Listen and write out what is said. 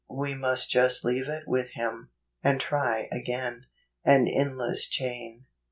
We must just leave it with Him, and try again. An Endless Chain.